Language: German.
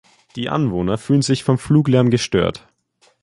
Die Anwohner fühlen sich vom Fluglärm gestört.